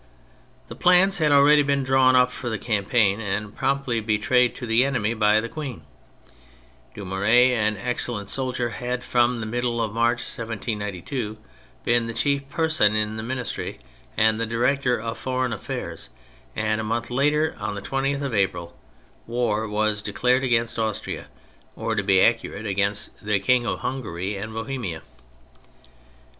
The plans had already been drawn up for the campaign (and promptly betrayed to the enemy by the Queen); Dumouriez, an excellent soldier, had from the middle of March 1792 been the chief person in the ministry, and the director of foreign affairs, and a month later, on the 20th of April, war was declared against Austria, or, to be accu rate, against " the King of Hungary and Bohemia."